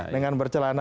dengan bercelana pendek